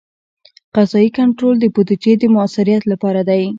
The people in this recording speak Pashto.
قضایي کنټرول د بودیجې د مؤثریت لپاره دی.